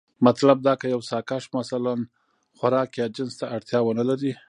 مطلب دا که يو ساکښ مثلا خوراک يا جنس ته اړتيا ونه لري،